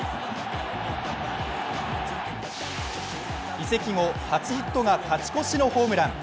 移籍後初ヒットが勝ち越しのホームラン。